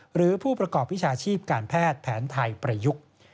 หรือผู้ประกอบวิชาชีพการแพทย์แผนไทยประยุกต์